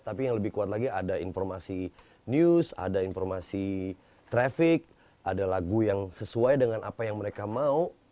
tapi yang lebih kuat lagi ada informasi news ada informasi traffic ada lagu yang sesuai dengan apa yang mereka mau